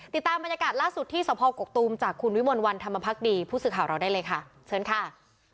ติดตามบรรยากาศล่าสุดที่สภกกตูมจากคุณวิมลวันธรรมพักดีผู้สื่อข่าวเราได้เลยค่ะเชิญค่ะ